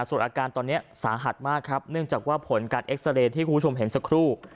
ส่วนอาการตอนนี้สาหัสมากครับเนื่องจากว่าผลการเอ็กซาเรย์ที่คุณผู้ชมเห็นสักครู่